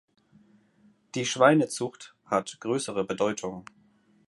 Die Schweinezucht hat größere Bedeutung.